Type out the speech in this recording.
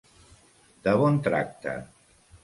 De bon tracte.